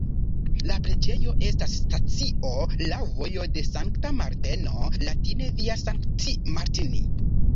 La preĝejo estas stacio laŭ "Vojo de Sankta Marteno" (latine Via Sancti Martini).